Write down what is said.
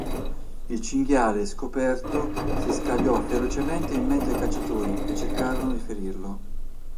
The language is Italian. Il cinghiale scoperto si scagliò ferocemente in mezzo ai cacciatori che cercarono di ferirlo.